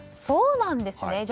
そうなんですね。